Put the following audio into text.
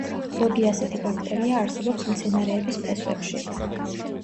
ზოგი ასეთი ბაქტერია არსებობს მცენარეების ფესვებში.